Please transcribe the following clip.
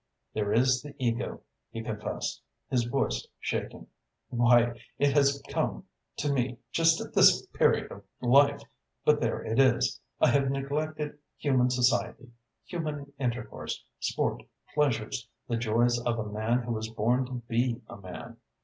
"There is the ego," he confessed, his voice shaking. "Why it has come to me just at this period of life but there it is. I have neglected human society, human intercourse, sport, pleasures, the joys of a man who was born to be a man.